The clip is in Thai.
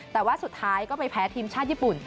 แต่ว่าสุดท้ายก็ไปแพ้ทีมชาติญี่ปุ่น